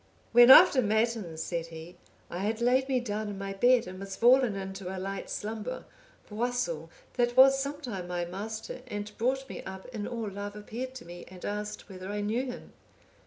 "When after matins," said he, "I had laid me down in my bed, and was fallen into a light slumber, Boisil, that was sometime my master and brought me up in all love, appeared to me, and asked, whether I knew him?